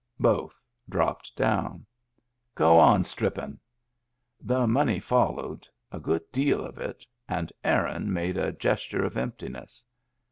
Both dropped down, " Go on strippin'." The money followed, a good deal of it, and Aaron made a gesture of emptiness.